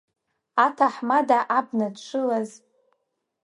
Аҭаҳмада абна дшылаз…